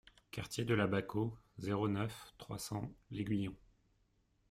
Quartier de la Baquo, zéro neuf, trois cents L'Aiguillon